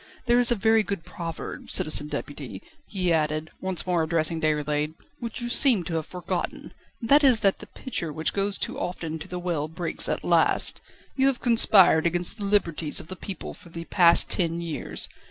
There is a very good proverb, Citizen Deputy," he added, once more addressing Déroulède, "which you seem to have forgotten, and that is that the pitcher which goes too often to the well breaks at last. You have conspired against the liberties of the people for the past ten years.